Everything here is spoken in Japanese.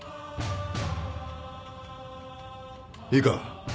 いいか。